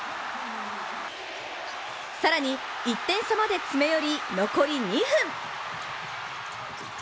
更に、１点差まで詰め寄り、残り２分。